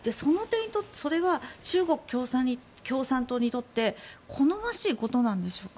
それは中国共産党にとって好ましいことなんでしょうか？